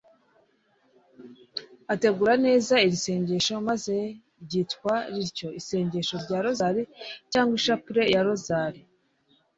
ategura neza iri sengesho, maze ryitwa rityo « isengesho rya rozari cg ishapure ya rozari